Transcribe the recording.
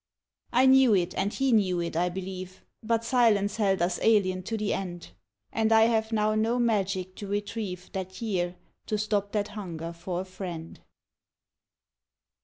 I knew it, and he knew it, I believe. But silence held us alien to the end ; And I have now no magic to retrieve That year, to stop that hunger for a friend.